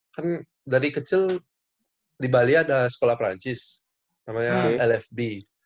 kan dari kecil di bali ada sekolah perancis namanya lfb